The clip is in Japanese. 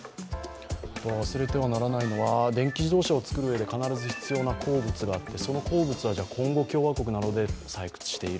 忘れてはならないのは電気自動車を作る上で必要な鉱物があってその鉱物はコンゴ共和国などで採掘している。